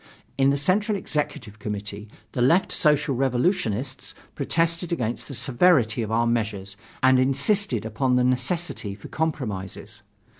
In the Central Executive Committee, the Left Social Revolutionists protested against the severity of our measures and insisted upon the necessity for compromises.